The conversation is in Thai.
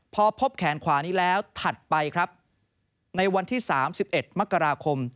พอพบแขนขวานี้แล้วถัดไปครับในวันที่๓๑มกราคม